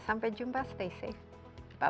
sampai jumpa stay safe